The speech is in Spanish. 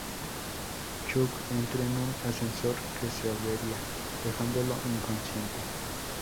Chuck entra en un ascensor que se avería, dejándolo inconsciente.